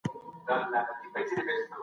لوستې مور د کورنۍ د روغتيايي ستونزو حل مومي.